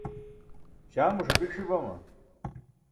śaamo ṣapik ṣi bama?